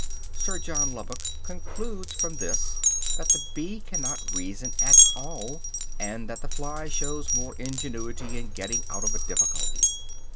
Sir John Lubbock concludes from this that the bee cannot reason at all, and that the fly shows more ingenuity in getting out of a difficulty.